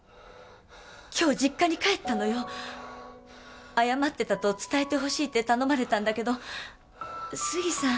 今日実家に帰ったのよ謝ってたと伝えてほしいって頼まれたんだけど杉さん